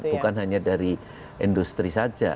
bukan hanya dari industri saja